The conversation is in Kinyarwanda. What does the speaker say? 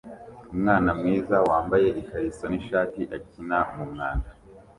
Umwana mwiza wambaye ikariso nishati akina mumwanda